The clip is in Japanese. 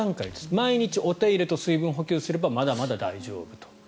毎日お手入れと水分補給をすればまだまだ大丈夫と。